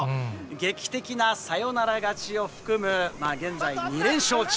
劇的なサヨナラ勝ちを含む、現在２連勝中。